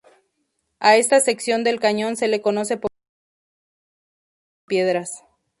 A esta sección del cañón se le conoce popularmente como "Sinfonía de las Piedras.